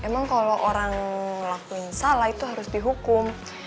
emang kalau orang ngelakuin salah itu harus dihukum